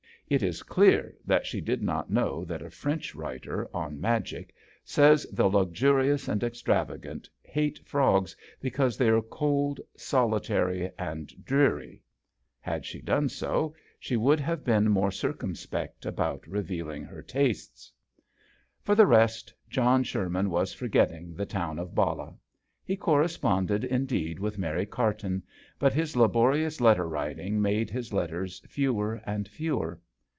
It is clear that she did not know that a French writer on magic says the luxurious and extrava gant hate frogs because they are cold, solitary, and dreary. Had she done so, she would have been more circumspect about revealing her tastes. 50 JOHN SHERMAN. For the rest John Sherman was forgetting the town of Ballah. He corresponded indeed with Mary Carton, but his la borious letter writing made his letters fewer and fewer.